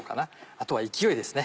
あとは勢いですね。